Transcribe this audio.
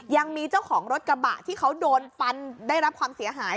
ยังมีเจ้าของรถกระบะที่เขาโดนฟันได้รับความเสียหาย